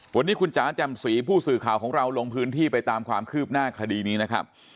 วันนี้คุณจ๋าจำศรีผู้สื่อข่าวของเราลงพื้นที่ไปตามความคืบหน้าคดีนี้นะครับ